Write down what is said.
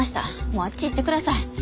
もうあっち行ってください。